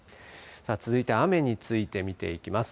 続いて雨について見ていきます。